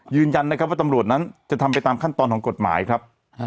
ยืนยันนะครับว่าตำรวจนั้นจะทำไปตามขั้นตอนของกฎหมายครับ